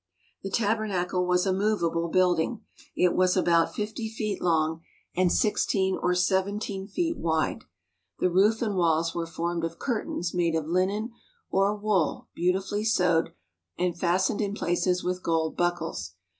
The Tabernacle was a movable building. It was about fifty feet long and sixteen or seventeen feet wide. The roof and walls were formed of curtains made of linen or wool beautifully sewed and fastened in places with gold buckles.